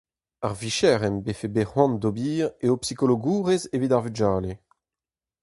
Ar vicher am befe bet c'hoant d'ober eo psikologourez evit ar vugale.